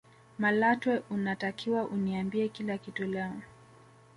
malatwe unatakiwa uniambie kila kitu leo